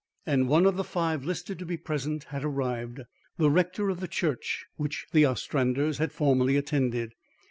and one of the five listed to be present had arrived the rector of the church which the Ostranders had formerly attended.